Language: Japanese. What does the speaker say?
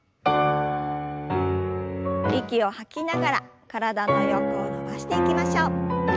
息を吐きながら体の横を伸ばしていきましょう。